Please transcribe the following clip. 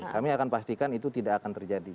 kami akan pastikan itu tidak akan terjadi